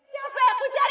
siapa yang aku cari